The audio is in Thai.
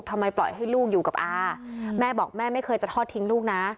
ทำไมปล่อยให้ลูกอยู่กับอาแม่บอกแม่ไม่เคยจะทอดทิ้งลูกนะ